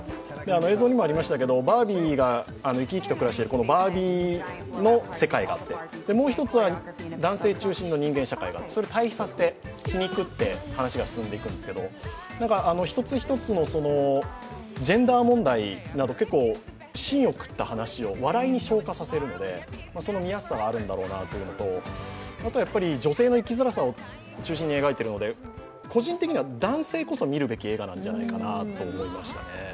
映像にもありましたけど、バービーが生き生きと暮らしているバービーの世界があって、もう一つは男性中心の人間社会がある、それを対比させて皮肉って話が進んでいくんですけど１つ１つのジェンダー問題を結構しんをくった話を笑いに昇華させるのでその見やすさがあるんだろうなというのとあとは女性の生きづらさを中心に描いてるので個人的には男性こそ見るべき映画なんじゃないかなと思いましたね。